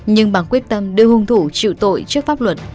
nhưng bằng quyết tâm đưa hung thủ chịu tội trước pháp luật